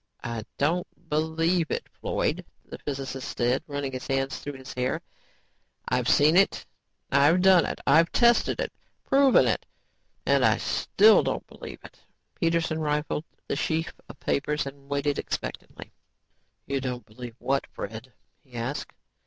"I don't believe it, Floyd," the physicist said, running his hands through his hair. "I've seen it, I've done it, I've tested it, proven it, and I still don't believe it." Peterson riffled the sheaf of papers and waited expectantly. "You don't believe what, Fred?" he asked.